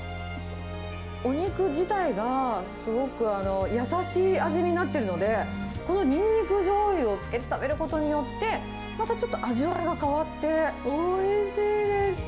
お肉自体がすごく優しい味になってるので、このニンニクじょうゆをつけて食べることによって、またちょっと味わいが変わって、おいしいです。